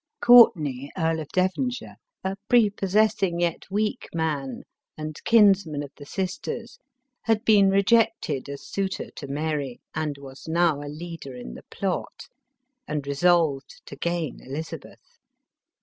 Courtenay, Earl of Devonshire — a prepossessing yet weak man, and kinsman of the sisters — had been rejected as suitor to Mary, and was now a leader in the plot, and resolved ELIZABETH OF ENGLAND. 287 to gain Elizabeth.